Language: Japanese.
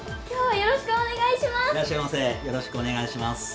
よろしくお願いします。